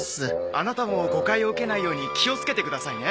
アナタも誤解を受けないように気をつけてくださいね。